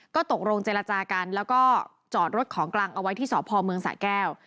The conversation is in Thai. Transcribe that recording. ก็ตกลงเจรจากันแล้วก็จอดรถของกลางเอาไว้ที่สพเมืองสะแก้ว